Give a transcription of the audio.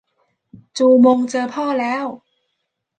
จูมงเจอพ่อแล้ว